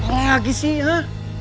lagi sih ya